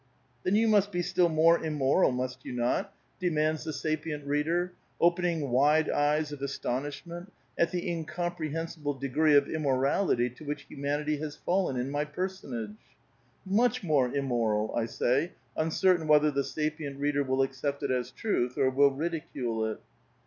" Then you must be still more immoral, must you not?" A VITAL QUESTION. ' 887 demands the sapient reader, opening wide eyes of astonish ment at the ineompreliensiblo degree of immorality' to which hamanity has fallen in my i:>ersonage I " Much more immoral," I say, uncertain whether the sapi ent reader will accept it as truth or will ridicule it.